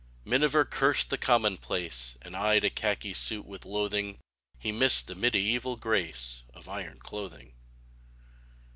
Miniver cursed the commonplace And eyed a khaki suit with loathing; He missed the mediaeval grace Of iron clothing.